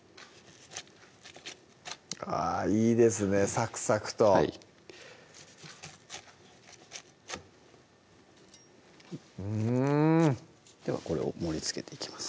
あぁいいですねサクサクとはいうんではこれを盛りつけていきます